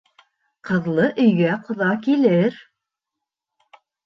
Ҡыҙлы өйгә ҡоҙа килер.